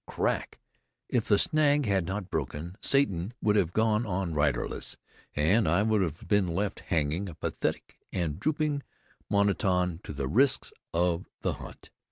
Crack! If the snag had not broken, Satan would have gone on riderless, and I would have been left hanging, a pathetic and drooping monition to the risks of the hunt.